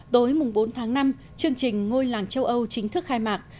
tối bốn tháng năm chương trình ngôi làng châu âu chính thức khai mạc